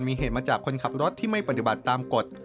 มีเหตุมาจากคนขับรถที่ไม่ปฏิบัติตามกฎ